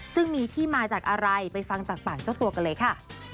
ซึ่งมีที่มาจากอะไรไปฟังจากปากเจ้าตัวกันเลยค่ะ